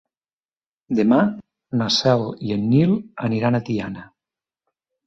Demà na Cel i en Nil aniran a Tiana.